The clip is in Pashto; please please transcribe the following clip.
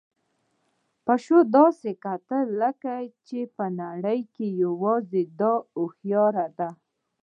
پيشو داسې کتل لکه چې په نړۍ کې یوازې ده هوښیار ده.